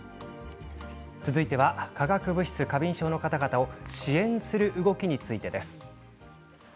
続いて化学物質過敏症の方々を支援する動きについてです。